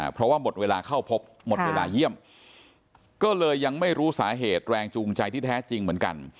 เพราะว่าหมดเวลาเข้าพบหมดเวลาเยี่ยมก็เลยยังไม่รู้สาเหตุแรงจูงใจที่แท้จริงเหมือนกัน